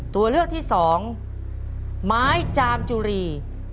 ตัวเลือกที่สองไม้จามจุรี